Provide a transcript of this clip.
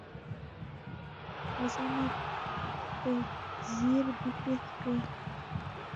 وزه مې په ځیر بوټي خوري.